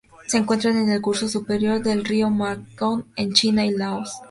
Se encuentra en el curso superior del río Mekong en China y Laos.